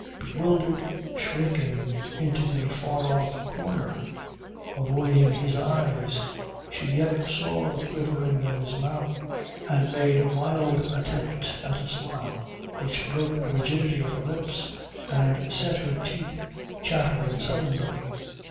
Bewildered, shrinking into the far off corner, avoiding his eyes, she yet saw the quivering of his mouth and made a wild attempt at a smile, which broke the rigidity of her lips and set her teeth chattering suddenly.